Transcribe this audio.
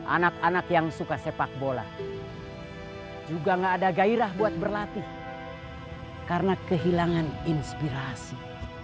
anak anak yang suka sepak bola juga gak ada gairah buat berlatih karena kehilangan inspirasi